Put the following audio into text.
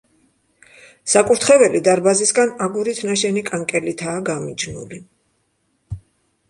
საკურთხეველი დარბაზისგან აგურით ნაშენი კანკელითაა გამიჯნული.